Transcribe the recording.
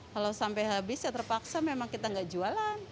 kalau sampai habis ya terpaksa memang kita nggak jualan